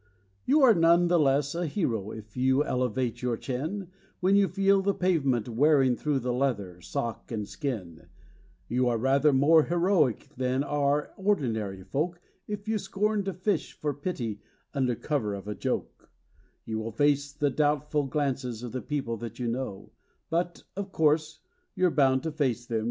You are none the less a hero if you elevate your chin When you feel the pavement wearing through the leather, sock and skin; You are rather more heroic than are ordinary folk If you scorn to fish for pity under cover of a joke; You will face the doubtful glances of the people that you know ; But of course, you're bound to face them when your pants begin to go.